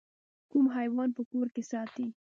کوم حیوان په کور کې ساتئ؟